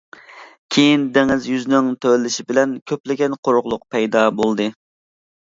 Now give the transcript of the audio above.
كېيىن دېڭىز يۈزىنىڭ تۆۋەنلىشى بىلەن كۆپلىگەن قۇرۇقلۇق پەيدا بولدى.